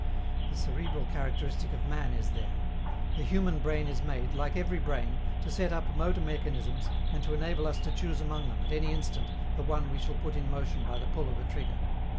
The cerebral characteristic of man is there. The human brain is made, like every brain, to set up motor mechanisms and to enable us to choose among them, at any instant, the one we shall put in motion by the pull of a trigger.